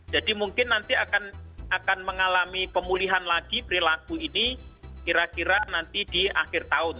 jadi mungkin nanti akan mengalami pemulihan lagi perilaku ini kira kira nanti di akhir tahun